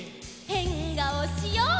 「へんがおしよう」